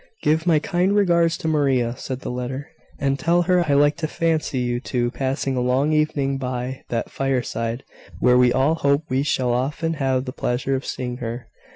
"Give my kind regards to Maria," said the letter, "and tell her I like to fancy you two passing a long evening by that fireside where we all hope we shall often have the pleasure of seeing her."